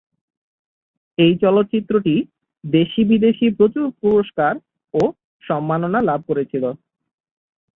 এ চলচ্চিত্রটি দেশী-বিদেশী প্রচুর পুরস্কার ও সম্মাননা লাভ করেছিল।